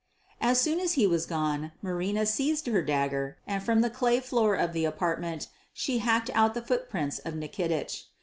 As soon as he was gone, Marina seized her dagger, and from the clay floor of the apartment she hacked out the footprints of Nikitich.